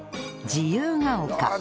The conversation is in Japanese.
自由が丘